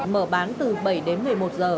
mở bán từ bảy đến một mươi một giờ